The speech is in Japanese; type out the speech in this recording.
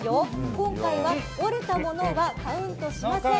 今回は折れたものはカウントしません。